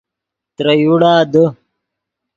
ترے یوڑا دے